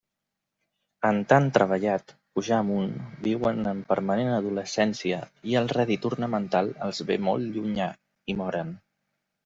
En tan treballat pujar amunt viuen en permanent adolescència, i el rèdit ornamental els ve molt llunyà, i moren.